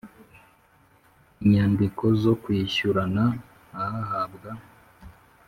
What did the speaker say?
Inyandiko Zo Kwishyurana Ahabwa